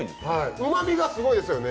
うまみがすごいですよね。